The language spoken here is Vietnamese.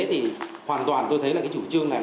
thì hoàn toàn tôi thấy là cái chủ trương này